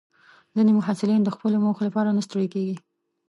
ځینې محصلین د خپلو موخو لپاره نه ستړي کېږي.